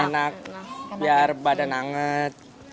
enak biar badan anget